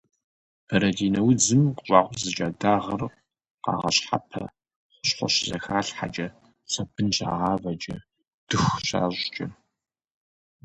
Бэрэтӏинэ удзым къыщӏакъузыкӏа дагъэр къагъэщхьэпэ хущхъуэ щызэхалъхьэкӏэ, сабын щагъавэкӏэ, дыху щащӏкӏэ.